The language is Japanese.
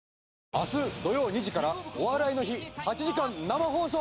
明日土曜２時から「お笑いの日」８時間生放送！